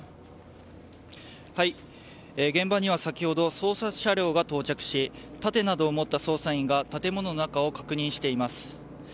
現場には先ほど捜査車両が到着し盾などを持った捜査員が建物の中を確認しています。